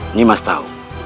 ini mas tau